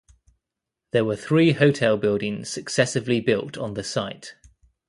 There were three hotel buildings successively built on the site.